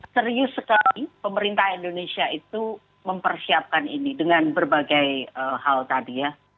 serius sekali pemerintah indonesia itu mempersiapkan ini dengan berbagai hal tadi ya